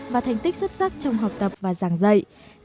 và thành tích xuất sắc trong học tập và giảng dạy